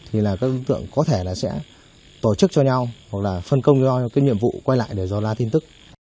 thì là các đối tượng có thể là sẽ tổ chức cho nhau hoặc là phân công cho cái nhiệm vụ quay lại để dò la tin tức